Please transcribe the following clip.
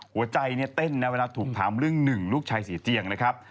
หัวใจเนี่ยเต้นนะเวลาถูกถามเรื่องหนึ่งลูกชายสีเจียงนะครับ